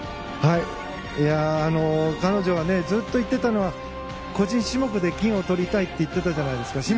彼女がずっと言ってたのは個人種目で金をとりたいって言ってたじゃないですか。